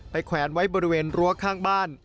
แขวนไว้บริเวณรั้วข้างบ้าน